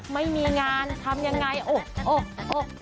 ไม่มีงานทำยังไงโอ๊ะโอ๊ะ